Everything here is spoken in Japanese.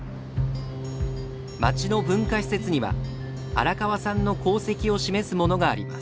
町の文化施設には荒川さんの功績を示すものがあります。